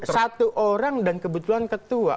satu orang dan kebetulan ketua